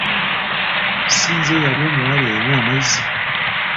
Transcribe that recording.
Si nze eyali omuwala eyanywa amazzi!